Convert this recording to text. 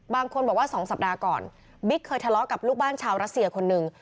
บางคนบอกว่า๒สัปดาห์ก่อนบิ๊กเคยทะเลาะกับลูกบ้านชาวรัสเซียคนหนึ่ง